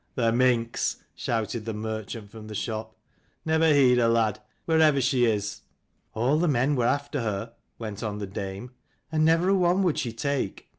"The minx!" shouted the merchant from the shop. " Never heed her, lad, wherever she is." " All the men were after her," went on the dame, "and never a one would she take.